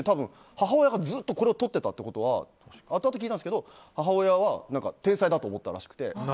母親がずっとこれをとっていたってことはあとあと聞いたんですけど母親は天才だと思ったらしくて。